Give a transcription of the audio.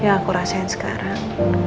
yang aku rasain sekarang